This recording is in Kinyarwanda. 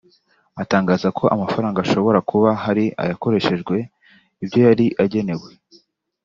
atangaza ko amafaranga ashobora kuba hari ayakoreshejwe ibyo yari agenewe